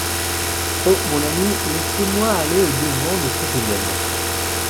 Oh ! mon ami, laissez-moi aller au-devant de ceux qui viennent.